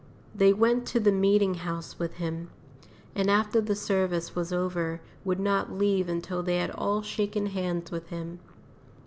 They went to the meeting house with him, and after the service was over would not leave until they had all shaken hands with him.